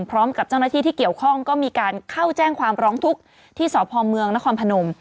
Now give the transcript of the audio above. พร้อมกับเจ้าหน้าที่ที่เกี่ยวข้องก็มีการเข้าแจ้งความร้องทุกข์ที่สพเมืองนครพนม